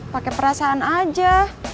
pake perasaan aja